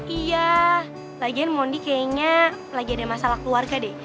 iya lagian mondi kayaknya lagi ada masalah keluarga deh